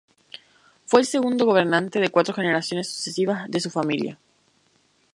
Fue el segundo gobernante de cuatro generaciones sucesivas de su familia.